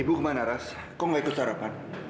ibu kemana ras kok nggak ikut sarapan